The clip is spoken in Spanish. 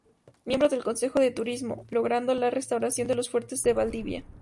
Miembro de Consejo de Turismo, logrando la restauración de los fuertes de Valdivia.